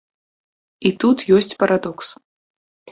І тут ёсць парадокс.